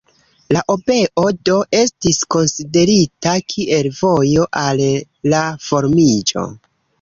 La obeo, do, estis konsiderita kiel vojo al la formiĝo.